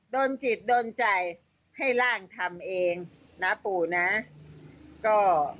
โดนจิตโดนใจให้ร่างทำเองนะปู่นะก็